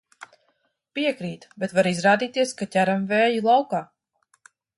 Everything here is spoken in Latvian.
Piekrītu, bet var izrādīties, ka ķeram vēju laukā.